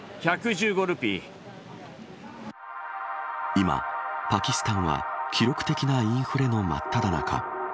今、パキスタンは記録的なインフレのまっただ中。